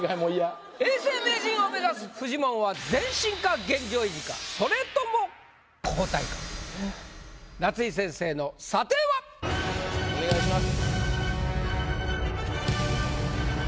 永世名人を目指すフジモンはそれとも夏井先生の査定は⁉お願いします。